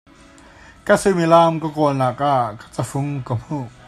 Ka suimilam ka kawlnak ah ka cafung ka hmuh.